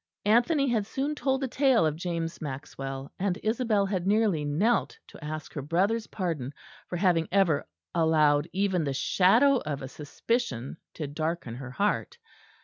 Anthony had soon told the tale of James Maxwell and Isabel had nearly knelt to ask her brother's pardon for having ever allowed even the shadow of a suspicion to darken her heart.